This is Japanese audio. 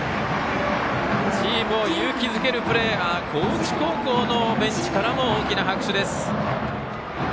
チームを勇気づけるプレーは高知高校のベンチからも大きな拍手です。